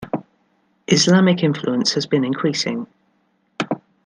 Islamic influence has been increasing.